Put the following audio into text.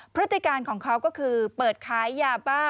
พฤติการของเขาก็คือเปิดขายยาบ้า